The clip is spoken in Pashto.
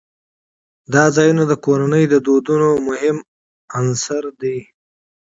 دا ځایونه د کورنیو د دودونو مهم عنصر دی.